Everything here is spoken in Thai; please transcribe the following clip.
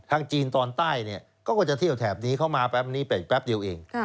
จีนตอนใต้เนี่ยเขาก็จะเที่ยวแถบนี้เข้ามาแป๊บนี้ไปแป๊บเดียวเอง